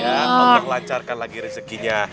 ya memperlancarkan lagi rezekinya